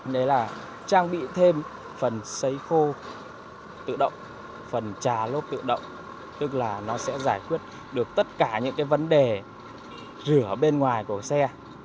đấy là trang bị thêm phần xấy khô tự động phần trà lốp tự động tức là nó sẽ giải quyết được tất cả những cái vấn đề rửa bên ngoài của xe